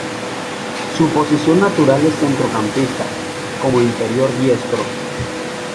Su posición natural es centrocampista, como interior diestro.